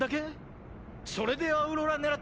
それでアウロラ狙ってんのか？